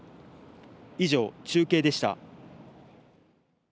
以上、中継でした。